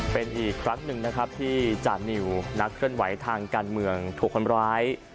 เป็นอีกครั้งหนึ่งนะครับที่จานิวนักเคลื่อนไหวทางการเมืองถูกคนร้าย